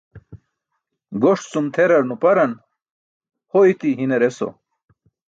Goṣ cum tʰerar nuparan ho iti hinar eso.